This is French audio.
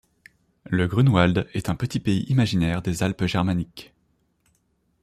Le Grunewald est un petit pays imaginaire des Alpes germaniques.